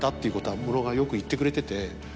いうことはムロがよく言ってくれてて。